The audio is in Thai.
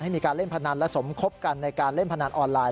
มีการเล่นพนันและสมคบกันในการเล่นพนันออนไลน